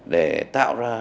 để tạo ra